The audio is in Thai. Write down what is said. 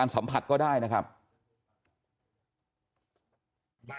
สัมผัสก็ได้นะครับ